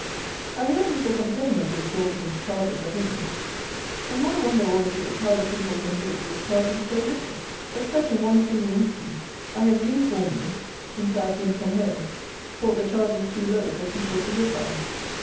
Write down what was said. I hear people complain of the "exorbitant charges" at inns; but my wonder always is how the people can live with charging so little. Except in one single instance, I have uniformly, since I have been from home, thought the charges too low for people to live by.